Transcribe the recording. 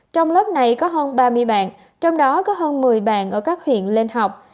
trong lớp này có hơn ba mươi bạn trong đó có hơn một mươi bạn ở các huyện lên học